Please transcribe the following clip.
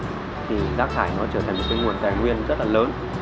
thì rác thải nó trở thành một cái nguồn tài nguyên rất là lớn